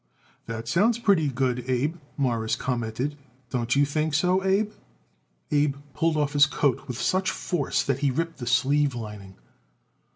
"That sounds pretty good, Abe," Morris commented. "Don't you think so, Abe?" Abe pulled off his coat with such force that he ripped the sleeve lining.